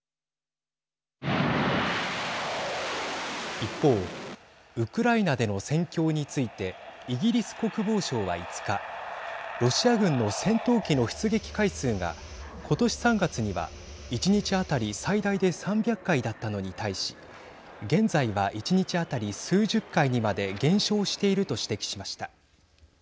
一方、ウクライナでの戦況についてイギリス国防省は５日ロシア軍の戦闘機の出撃回数が今年３月には１日当たり最大で３００回だったのに対し現在は１日当たり数十回にまで減少していると指摘しました。